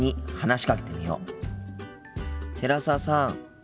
寺澤さん。